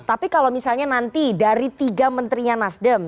tapi kalau misalnya nanti dari tiga menterinya nasdem